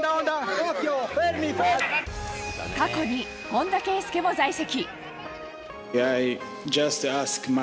過去に、本田圭佑も在籍。